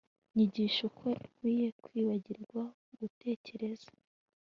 nyigisha uko nkwiye kwibagirwa gutekereza